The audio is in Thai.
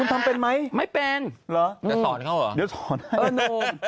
คุณทำเป็นไหมไม่เป็นจะสอนเข้าเหรอเดี๋ยวสอนให้